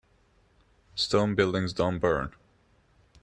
Stone buildings don't burn.